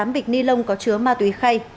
một mươi tám bịch ni lông có chứa ma túy khay